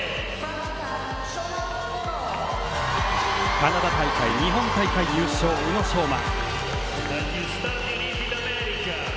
カナダ大会、日本大会優勝宇野昌磨。